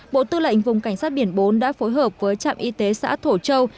bộ tư lệnh vùng cảnh sát biển bốn đã phối hợp với trạm y tế xã thổ châu